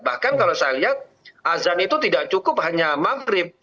bahkan kalau saya lihat azan itu tidak cukup hanya maghrib